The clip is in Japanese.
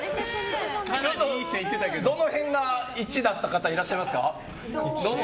どの辺が１だった方いらっしゃいますか？